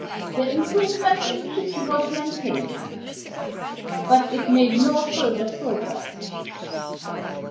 The improvement in Kitty was maintained; but it made no further progress.